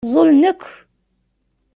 Ẓẓulen akk.